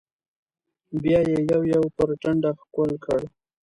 بيا يې يو يو پر ټنډه ښکل کړل.